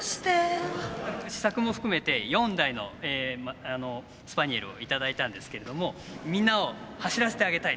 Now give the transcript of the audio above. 試作も含めて４台のスパニエルを頂いたんですけれどもみんなを走らせてあげたい。